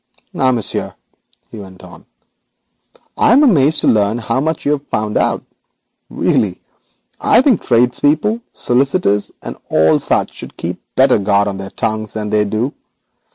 'Now, Monsieur,' he went on, 'I am amazed to learn how much you have discovered. Really, I think tradespeople, solicitors, and all such should keep better guard on their tongues than they do.